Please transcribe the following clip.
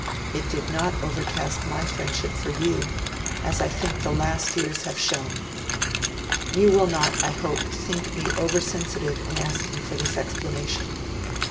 It did not overcast my friendship for you, as I think the last years have shown. 'You will not, I hope, think me over sensitive in asking for this explanation.